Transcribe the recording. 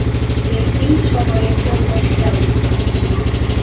Beijing শহরের পরিবহন ব্যবস্থা